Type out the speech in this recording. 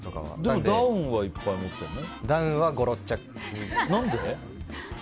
でもダウンはいっぱい持ってるの？